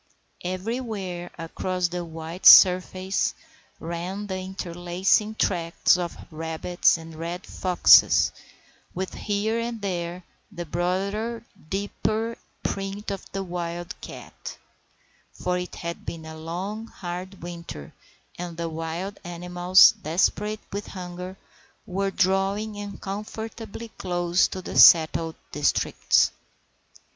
Everywhere across the white surface ran the interlacing tracks of rabbits and red foxes, with here and there the broader, deeper print of the wild cat; for it had been a long, hard winter, and the wild animals, desperate with hunger, were drawing uncomfortably close to the settled districts.